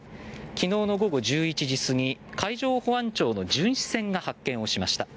昨日の午後１１時過ぎ海上保安庁の巡視船が発見をしました。